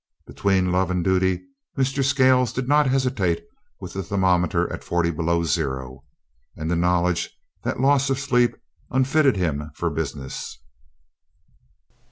Between love and duty Mr. Scales did not hesitate with the thermometer at forty below zero, and the knowledge that loss of sleep unfitted him for business.